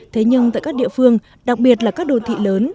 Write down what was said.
thế nhưng tại các địa phương đặc biệt là các đô thị lớn